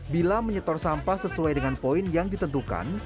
bila menyetor sampah sesuai dengan poin yang ditentukan